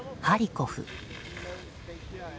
ハリコフ。